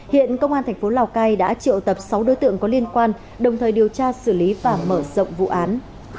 hiện công an thành phố lào cai đã triệu tập sáu đối tượng có liên quan đồng thời điều tra xử lý và mở rộng vụ án